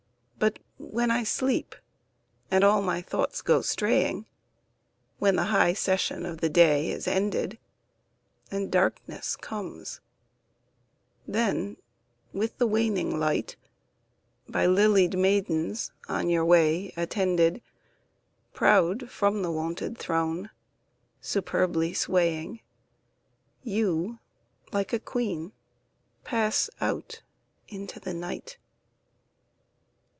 But when I sleep, and all my thoughts go straying, When the high session of the day is ended, And darkness comes; then, with the waning light, By lilied maidens on your way attended, Proud from the wonted throne, superbly swaying, You, like a queen, pass out into the night.